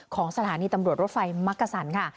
ของสถานีตำรวจรถไฟมักกะสันค่ะ